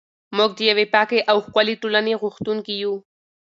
موږ د یوې پاکې او ښکلې ټولنې غوښتونکي یو.